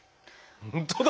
本当だ！